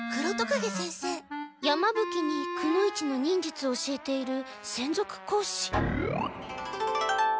山ぶ鬼にくの一の忍術を教えているせんぞくこうし。